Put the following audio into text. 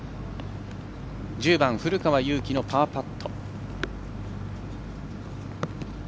１０番、古川雄大のパーパット。